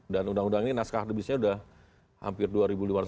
dan undang undang ini naskah debisnya sudah hampir dua lima ratus halaman